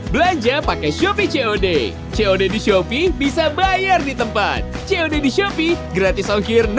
belanja pakai shopee cod cod di shopee bisa bayar di tempat cod di shopee gratis okir